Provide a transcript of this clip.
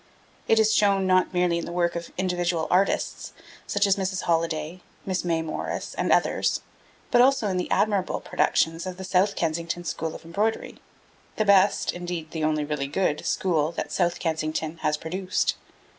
It is shown, not merely in the work of individual artists, such as Mrs. Holiday, Miss May Morris and others, but also in the admirable productions of the South Kensington School of Embroidery (the best indeed, the only really good school that South Kensington has produced).